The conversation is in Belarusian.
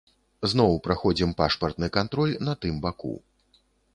Зноў праходзім пашпартны кантроль на тым баку.